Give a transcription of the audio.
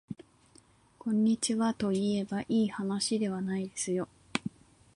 こんにちはといえばいいはなしではないですよ